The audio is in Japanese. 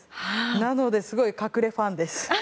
なので、すごい隠れファンです。